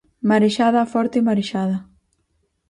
Marexada a forte marexada.